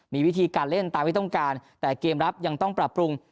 มีวิธีการเล่นตามที่ต้องการแต่เกมรับยังต้องปรับปรุง